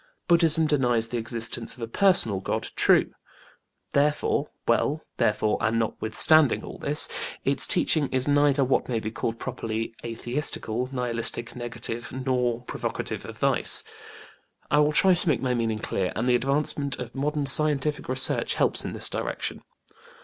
BudĖĢdĖĢhism denies the existence of a personal God true: therefore well, therefore, and notwithstanding all this, its teaching is neither what may be called properly atheistical, nihilistic, negative, nor provocative of vice. I will try to make my meaning clear, and the advancement of modern scientific research helps in this direction.